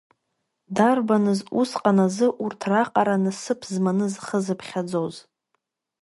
Дарбаныз усҟан азы урҭ раҟара насыԥ зманы зхы зыԥхьаӡоз?